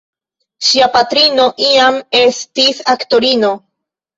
Ŝia patrino iam estis aktorino.